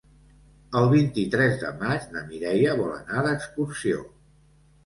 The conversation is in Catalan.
El vint-i-tres de maig na Mireia vol anar d'excursió.